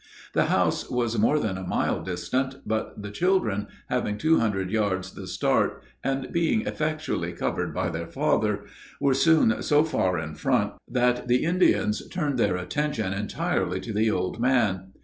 The house was more than a mile distant, but the children, having two hundred yards the start, and being effectually covered by their father, were soon so far in front, that the Indians turned their attention entirely to the old man.